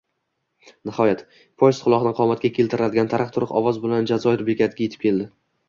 Nihoyat, poezd quloqni qomatga keltiradigan taraq-turuq ovoz bilan Jazoir bekatiga etib keldi